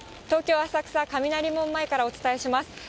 東京・浅草雷門前からお伝えします。